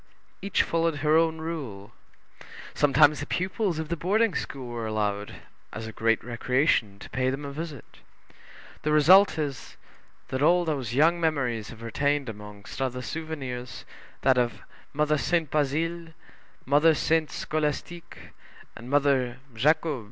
Each followed her own rule. Sometimes the pupils of the boarding school were allowed, as a great recreation, to pay them a visit; the result is, that all those young memories have retained among other souvenirs that of Mother Sainte Bazile, Mother Sainte Scolastique, and Mother Jacob.